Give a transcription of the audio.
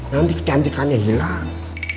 nanti kecantikannya hilang